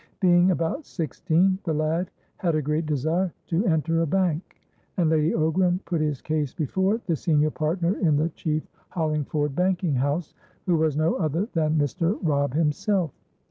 Being about sixteen, the lad had a great desire to enter a bank, and Lady Ogram put his case before the senior partner in the chief Hollingford banking house, who was no other than Mr. Robb himself.